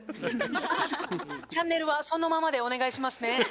チャンネルはそのままでお願いしますね。